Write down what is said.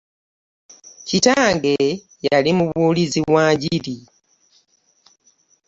Kitange yali mubuulizi wa njiri.